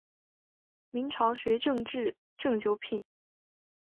明朝学正秩正九品。